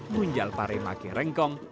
bunjal paremakir rengkong